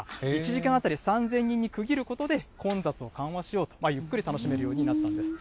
１時間当たり３０００人に区切ることで、混雑を緩和しようと、ゆっくり楽しめるようになったんです。